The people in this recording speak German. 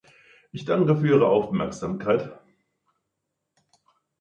Ich danke für Ihre Aufmerksamkeit.